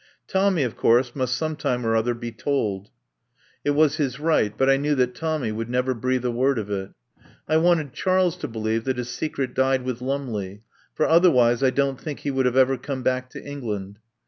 Tommy, of course, must some time or other be told; it 211 THE POWER HOUSE was his right; but I knew that Tommy would never breathe a word of it. I wanted Charles to believe that his secret died with Lumley, for otherwise I don't think he would have ever come back to England.